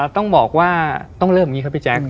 ต้องบอกว่าต้องเริ่มอย่างนี้ครับพี่แจ๊ค